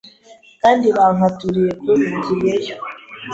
kandi bankaturiye kubi ngiyeyo”